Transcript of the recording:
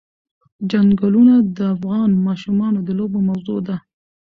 چنګلونه د افغان ماشومانو د لوبو موضوع ده.